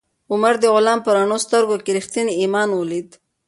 عمر د غلام په رڼو سترګو کې ریښتینی ایمان ولید.